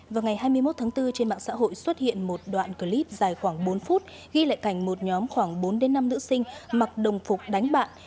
vào ngày hai mươi một tháng bốn trên mạng xã hội xuất hiện một đoạn clip dài khoảng bốn phút ghi lại cảnh một nhóm khoảng bốn năm nữ sinh mặc đồng phục đánh bạn